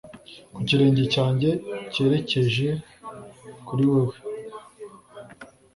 ku kirenge cyanjye cyerekeje kuri wewe